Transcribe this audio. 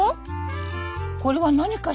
これは何かしら？